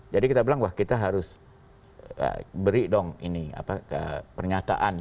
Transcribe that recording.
jadi kita bilang wah kita harus beri dong ini pernyataan